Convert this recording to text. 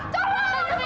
tolong ada api